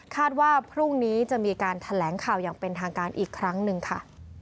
ว่าพรุ่งนี้จะมีการแถลงข่าวอย่างเป็นทางการอีกครั้งหนึ่งค่ะ